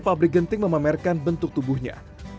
pabrik genting memamerkan bentuk tubuhnya